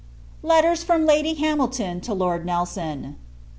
] Letters FROM LADY HAMILTON TO LORD NELSON.